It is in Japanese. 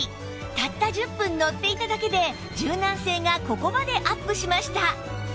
たった１０分乗っていただけで柔軟性がここまでアップしました！